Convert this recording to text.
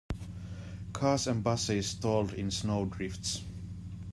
Cars and busses stalled in snow drifts.